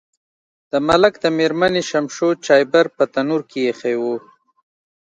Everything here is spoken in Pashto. د ملک د میرمنې شمشو چایبر په تنور کې ایښی و.